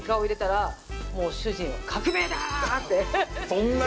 そんなに？